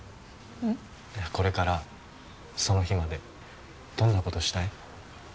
これからその日までどんなことしたい？